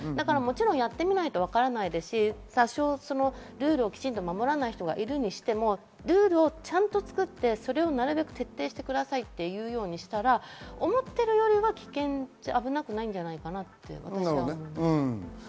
やってみないとわからないですし、ルールを守らない人がいるにしてもルールをちゃんと作ってなるべく徹底してくださいというようにしたら思っているよりは危なくないんじゃないかなと思います。